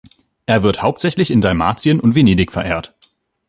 Er wird hauptsächlich in Dalmatien und Venedig verehrt.